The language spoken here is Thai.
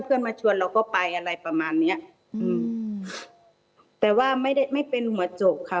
เพื่อนมาชวนเราก็ไปอะไรประมาณเนี้ยอืมแต่ว่าไม่ได้ไม่เป็นหัวโจกค่ะ